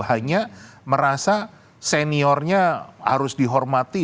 hanya merasa seniornya harus dihormati